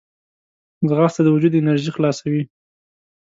ځغاسته د وجود انرژي خلاصوي